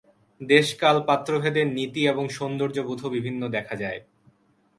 দেশ-কাল-পাত্র-ভেদে নীতি এবং সৌন্দর্যবোধও বিভিন্ন দেখা যায়।